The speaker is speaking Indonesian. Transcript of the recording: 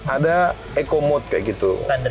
ada eko mode kayak gitu